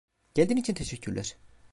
Geldiğin için teşekkürler.